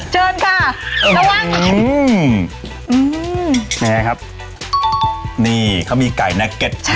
เชิญค่ะระวังอืมอืมนี่ครับนี่เขามีไก่นักเก็ตใช่ค่ะ